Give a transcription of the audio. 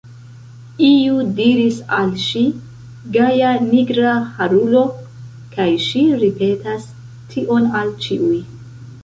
Iu diris al ŝi: gaja nigraharulo, kaj ŝi ripetas tion al ĉiuj.